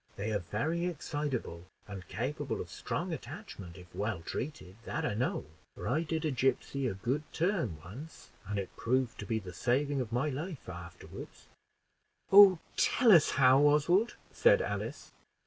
They are very excitable, and capable of strong attachment if well treated. That I know, for I did a gipsy a good turn once, and it proved to be the saving of my life afterward." "Oh, tell us how, Oswald," said Alice.